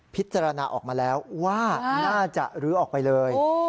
พิจารณาออกมาแล้วว่าน่าจะลื้อออกไปเลย